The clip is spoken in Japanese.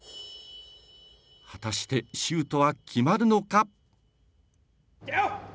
果たしてシュートは決まるのか。